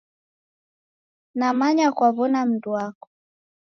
Namanya kwaw'ona mndu wako.